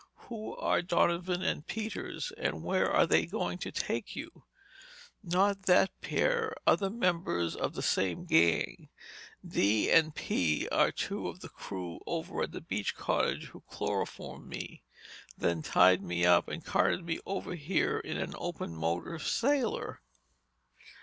"Who are Donovan and Peters—and where are they going to take you?" "Not that pair—other members of the same gang. D. and P. are two of the crew over at the beach cottage who chloroformed me, then tied me up and carted me over here in an open motor sailor."